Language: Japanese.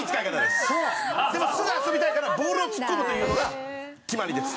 すぐ遊びたいからボールを突っ込むというのが決まりです。